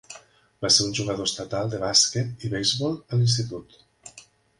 Va ser un jugador estatal de bàsquet i beisbol a l'institut.